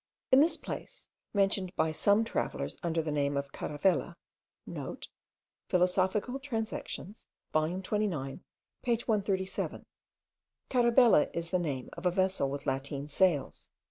In this place, mentioned by some travellers under the name of Caravela,* (* "Philosophical Transactions" volume 29 page 317. Carabela is the name of a vessel with lateen sails.